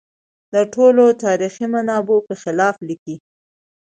د ټولو تاریخي منابعو په خلاف لیکي.